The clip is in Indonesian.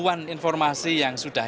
bukan informasi yang sudah